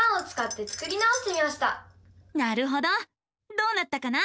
どうなったかな？